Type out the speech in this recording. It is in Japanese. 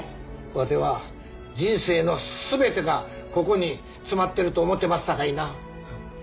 わては人生の全てがここに詰まってると思ってますさかいな。